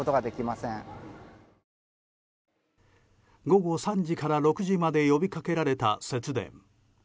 午後３時から６時まで呼びかけられた節電。